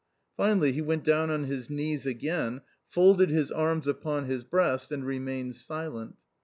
Finally, he went down on his knees again, folded his arms upon his breast, and remained silent.